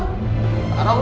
lo parah lo